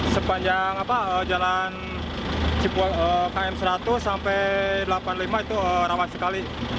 sepanjang jalan km seratus sampai delapan puluh lima itu rawan sekali